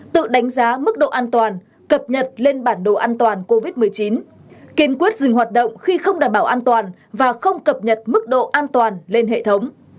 tự đánh giá mức độ an toàn cập nhật lên bản đồ an toàn covid một mươi chín kiên quyết dừng hoạt động khi không đảm bảo an toàn và không cập nhật mức độ an toàn lên hệ thống